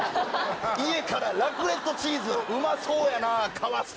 家からラクレットチーズ、うまそうやな。